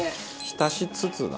浸しつつだ。